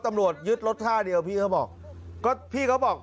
ตำรวจยึดรถท่าเดียวพี่เขาบอก